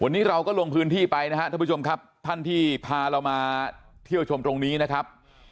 วันนี้เราก็ลงพื้นที่ไปนะครับท่านผู้ชมครับท่านที่พาเรามาเที่ยวชมตรงนี้นะครับ